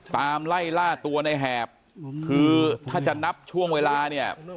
ตามไล่ล่าตัวในแหบคือถ้าจะนับช่วงเวลาเนี่ย